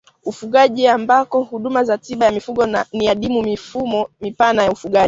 Ufugaji ambako huduma za tiba ya mifugo ni adimu Mifumo mipana ya ufugaji